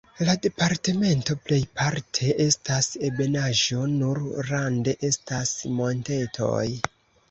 La departemento plejparte estas ebenaĵo, nur rande estas montetoj.